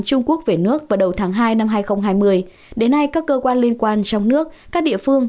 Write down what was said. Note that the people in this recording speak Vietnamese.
trung quốc về nước vào đầu tháng hai năm hai nghìn hai mươi đến nay các cơ quan liên quan trong nước các địa phương